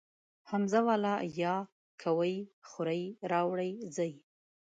همزه واله ئ کوئ خورئ راوړئ ځئ